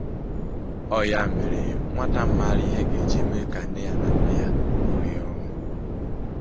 Ọ sị na ha nọọrọ onwe ha na-emere onwe ha ekpere